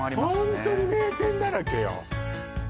ホントに名店だらけよ